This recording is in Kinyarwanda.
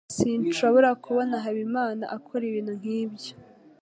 Sinshobora kubona Habimana akora ibintu nkibyo.